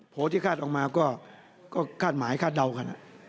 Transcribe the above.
โผล่ที่คาดออกมาก็คาดหมายคาดเดาค่ะ